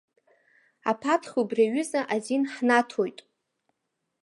Аԥаҭхь убри аҩыза азин ҳнаҭоит.